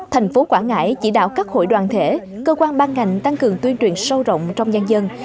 thành phố quảng ngãi chỉ đạo các hội đoàn thể cơ quan ban ngành tăng cường tuyên truyền sâu rộng trong nhân dân